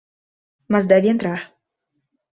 Mas deve entrar.